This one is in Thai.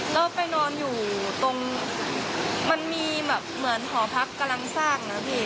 แล้วไปนอนอยู่ตรงมันมีแบบเหมือนหอพักกำลังสร้างนะพี่